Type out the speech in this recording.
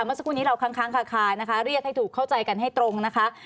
เมื่อสักครู่นี้เราค้างคานะคะเรียกให้ถูกเข้าใจกันให้ตรงนะคะ